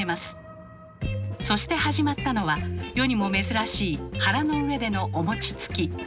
そして始まったのは世にも珍しい腹の上でのお餅つき。